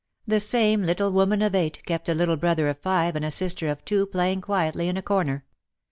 The same little woman of eight kept a little brother of five and a sister of two playing quietly in a corner.